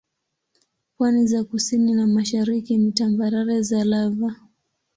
Pwani za kusini na mashariki ni tambarare za lava.